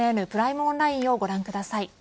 オンラインをご覧ください。